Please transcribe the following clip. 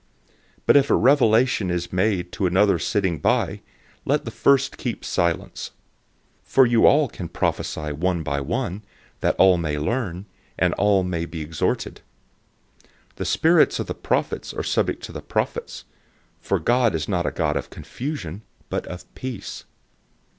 014:030 But if a revelation is made to another sitting by, let the first keep silent. 014:031 For you all can prophesy one by one, that all may learn, and all may be exhorted. 014:032 The spirits of the prophets are subject to the prophets, 014:033 for God is not a God of confusion, but of peace.